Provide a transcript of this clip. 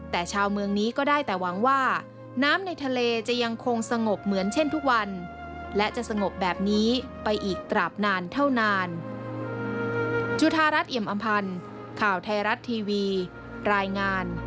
แต่ชาวเมืองนี้ก็ได้แต่หวังว่าน้ำในทะเลจะยังคงสงบเหมือนเช่นทุกวันและจะสงบแบบนี้ไปอีกตราบนานเท่านาน